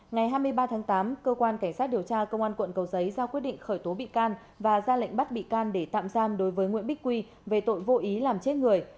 ngày hai mươi ba tháng tám cơ quan cảnh sát điều tra công an quận cầu giấy ra quyết định khởi tố bị can và ra lệnh bắt bị can để tạm giam đối với nguyễn bích quy về tội vô ý làm chết người